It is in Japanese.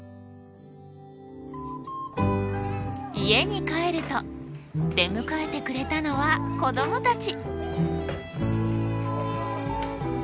家に帰ると出迎えてくれたのは子供たち。